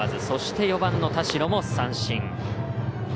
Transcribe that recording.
そして４番の田代も三振。